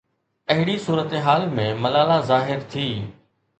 اهڙي صورتحال ۾ ملالا ظاهر ٿي.